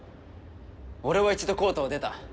俺は一度コートを出た。